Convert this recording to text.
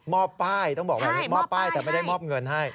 มอบป้ายต้องบอกว่ามอบป้ายแต่ไม่ได้มอบเงินให้